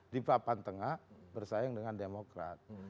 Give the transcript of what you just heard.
di papan tengah bersaing dengan demokrat